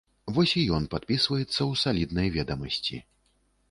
Вось і ён падпісваецца ў саліднай ведамасці.